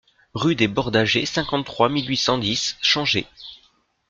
Rue des Bordagers, cinquante-trois mille huit cent dix Changé